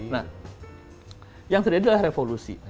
nah yang terjadi adalah revolusi